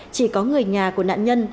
chỉ có người nhà của nạn nhân